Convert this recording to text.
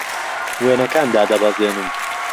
وێنەکان دادەبەزێنم.